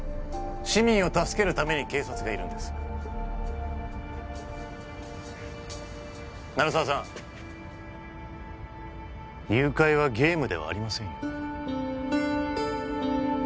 市民を助けるために警察がいるんです鳴沢さん誘拐はゲームではありませんよ